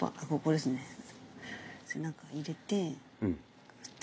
背中入れて。